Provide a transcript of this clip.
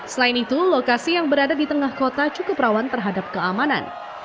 selain itu lokasi yang berada di tengah kota cukup rawan terhadap keamanan